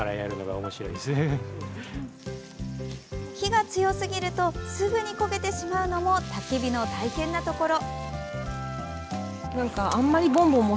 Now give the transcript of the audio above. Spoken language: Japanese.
火が強すぎるとすぐに焦げてしまうのもたき火の大変なところ。